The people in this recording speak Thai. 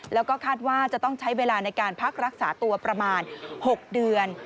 แล้วก็คาดว่าจะต้องใช้เวลาในการพักรักษาตัวประมาณ๖เดือน